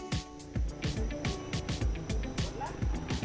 menggunakan infrastruktur desa